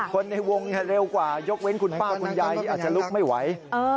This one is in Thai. คนในวงเร็วกว่ายกเว้นคุณป้าคุณยายที่อาจจะลุกไม่ไหว